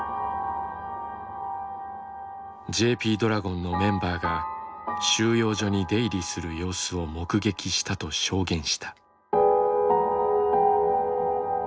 ＪＰドラゴンのメンバーが収容所に出入りする様子を目撃したと証言した。